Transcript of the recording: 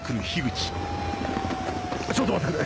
ちょっと待ってくれ。